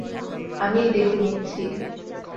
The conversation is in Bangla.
আমিই দেখে নিচ্ছি।